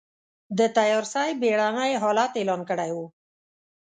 د تيارسۍ بېړنی حالت اعلان کړی و.